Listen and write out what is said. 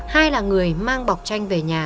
hai là người mang bọc chanh về nhà